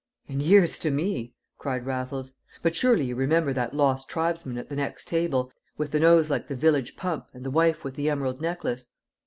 "And years to me!" cried Raffles. "But surely you remember that lost tribesman at the next table, with the nose like the village pump, and the wife with the emerald necklace?"